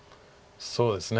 そうですね。